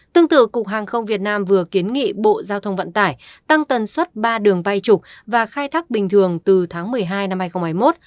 tương tự cục hàng không việt nam vừa kiến nghị bộ giao thông vận tải tăng tần suất ba đường bay trục và khai thác bình thường từ tháng một mươi hai năm hai nghìn hai mươi một